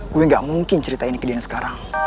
gue gak mungkin ceritain ke dia sekarang